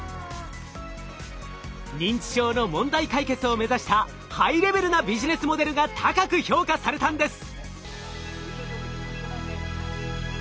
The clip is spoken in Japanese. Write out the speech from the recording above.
認知症の問題解決を目指したハイレベルなビジネスモデルが高く評価されたんです。